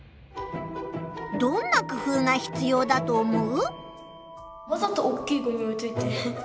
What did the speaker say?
どんな工夫がひつようだと思う？